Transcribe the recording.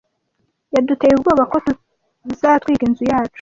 Yaduteye ubwoba ko tuzatwika inzu yacu.